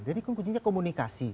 jadi kuncinya komunikasi